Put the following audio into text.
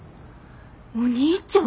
お兄ちゃん？